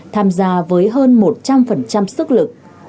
tham gia với hơn một trăm linh của công an